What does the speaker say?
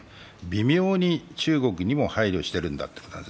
微妙に、中国にも配慮してるんだっていうか。